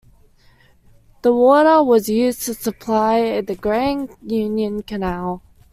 The water was used to supply the Grand Union Canal.